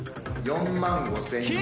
４万５，０００円。